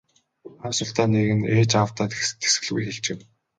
Ам султай нэг нь ээж аавдаа тэсгэлгүй хэлчихнэ.